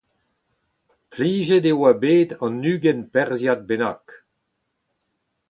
Plijet e oa bet an ugent perzhiad bennak.